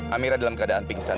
amira dalam keadaan pingsan